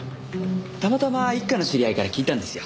たまたま一課の知り合いから聞いたんですよ。